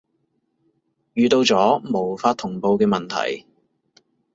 遇到咗無法同步嘅問題